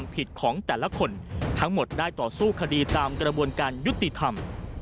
ผิดของแต่ละคนทั้งหมดได้ต่อสู้คดีตามกระบวนการยุติธรรม